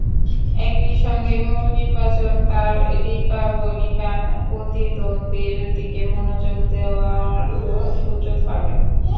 একই সঙ্গে মূল নির্বাচনে তাঁর রিপাবলিকান প্রতিদ্বন্দ্বীর দিকে মনোযোগ দেওয়ারও সুযোগ পাবেন।